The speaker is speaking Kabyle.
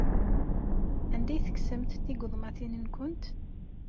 Anda ay tekksemt tigeḍmatin-nwent?